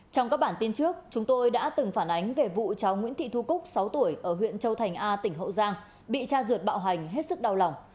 trong các bản tin trước chúng tôi đã từng phản ánh về vụ cháu nguyễn thị thu cúc sáu tuổi ở huyện châu thành a tỉnh hậu giang bị cha ruột bạo hành hết sức đau lòng